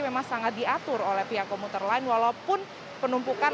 memang sangat diatur oleh pihak krl walaupun penumpukan